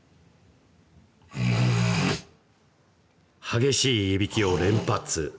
激しいいびきを連発。